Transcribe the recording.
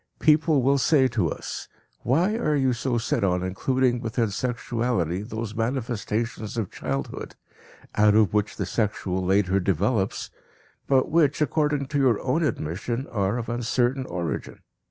People will say to us: "Why are you so set on including within sexuality those manifestations of childhood, out of which the sexual later develops, but which, according to your own admission, are of uncertain origin?